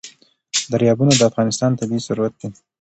دریابونه د افغانستان طبعي ثروت دی.